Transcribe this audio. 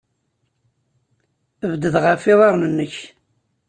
Bded ɣef yiḍarren-nnek.